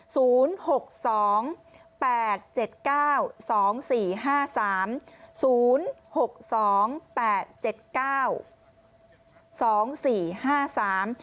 หกสองแปดเจ็ดเก้าสองสี่ห้าสามศูนย์หกสองแปดเจ็ดเก้าสองสี่ห้าสาม